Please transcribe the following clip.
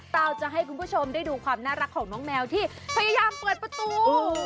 เราจะให้คุณผู้ชมได้ดูความน่ารักของน้องแมวที่พยายามเปิดประตู